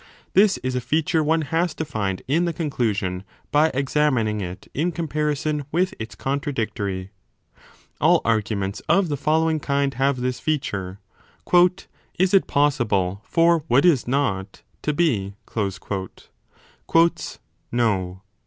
This is a feature one has to find in the conclusion by examining it in comparison with its contradictory. All arguments of the following kind have this feature :( Is it possible for what is not to be ? No.